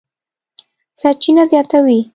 سرچینه زیاتوي،